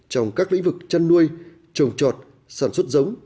trong các lĩnh vực chăn nuôi trồng trọt sản xuất giống